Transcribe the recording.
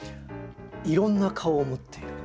いろんな顔を持っている。